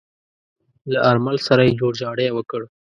له آرمل سره يې جوړجاړی وکړ.